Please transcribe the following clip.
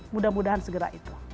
mudah mudahan segera itu